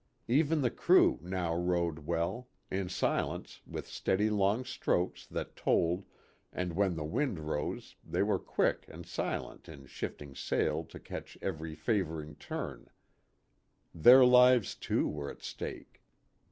Even the crew now rowed well. In silence, with steady long strokes that told, and when the wind rose they were quick and silent in shifting sail to catch every favor A PICNIC NEAR THE EQUATOR. 67 ing turn. Their lives too were at stake.